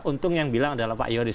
untung yang bilang adalah pak yoris